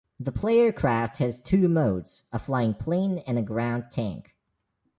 The player craft has two modes, a flying plane and a ground tank.